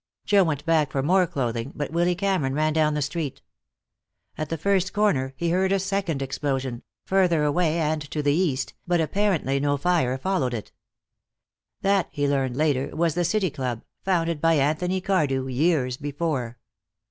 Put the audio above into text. Joe went back for more clothing, but Willy Cameron ran down the street. At the first corner he heard a second explosion, further away and to the east, but apparently no fire followed it. That, he learned later, was the City Club, founded by Anthony Cardew years before.